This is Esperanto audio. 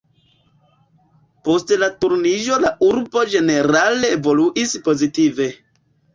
Post la Turniĝo la urbo ĝenerale evoluis pozitive.